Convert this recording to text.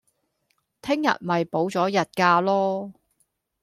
聽日咪補咗日假囉